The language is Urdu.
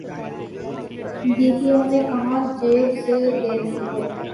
ڈی پی او نے کہاں جیب سے دینے تھے۔